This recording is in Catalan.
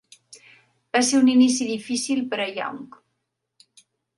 Va ser un inici difícil per a Young.